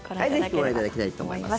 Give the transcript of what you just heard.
ぜひご覧いただきたいと思います。